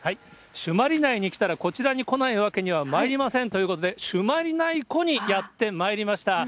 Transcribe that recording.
朱鞠内に来たらこちらに来ないわけにはまいりませんということで、朱鞠内湖にやってまいりました。